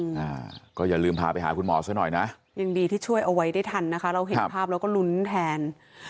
อ่าก็อย่าลืมพาไปหาคุณหมอซะหน่อยนะยังดีที่ช่วยเอาไว้ได้ทันนะคะเราเห็นภาพแล้วก็ลุ้นแทน